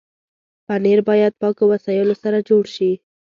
پنېر باید پاکو وسایلو سره جوړ شي.